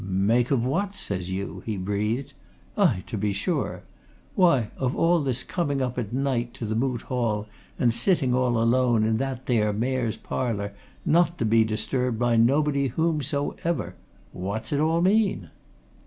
"Make of what, says you!" he breathed. "Ay, to be sure! Why, of all this here coming up at night to the Moot Hall, and sitting, all alone, in that there Mayor's Parlour, not to be disturbed by nobody, whosomever! What's it all mean?"